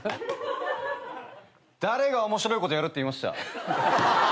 誰が面白いことやるって言いました？